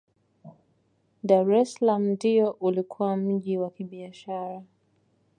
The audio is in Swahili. dr es salaam ndiyo ulikuwa mji wa kibiashara